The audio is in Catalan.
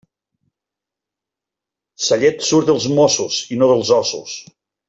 Sa llet surt dels mossos i no dels ossos.